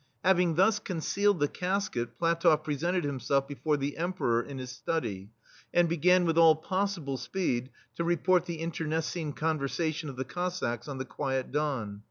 Having thus concealed the casket, PlatofF pre sented himself before the Emperor in his study, and began, with all possible speed, to report the internecine con versation of the Cossacks on the quiet Don.